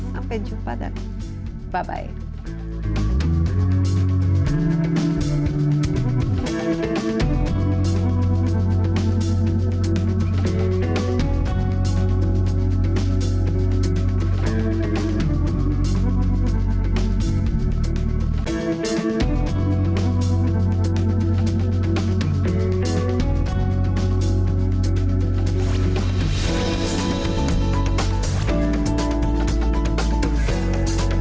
sampai jumpa dan bye bye